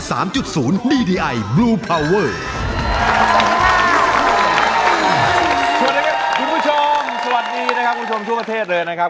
สวัสดีครับคุณผู้ชมสวัสดีนะครับคุณผู้ชมทั่วประเทศเลยนะครับ